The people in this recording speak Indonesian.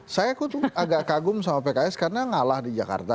saya agak kagum sama pks karena ngalah di jakarta